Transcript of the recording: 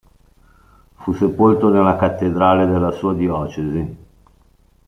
Fu sepolto nella cattedrale della sua diocesi.